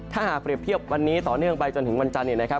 ถ้าหากเปรียบเทียบวันนี้ต่อเนื่องไปจนถึงวันจันทร์เนี่ยนะครับ